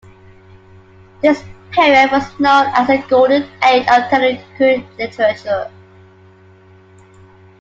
This period was known as a golden age of Telugu literature.